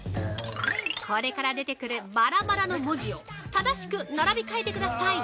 これから出てくるバラバラの文字を正しく並び替えてください。